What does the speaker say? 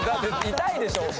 痛いでしょお尻。